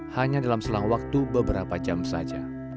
hanya dalam selang waktu beberapa jam saja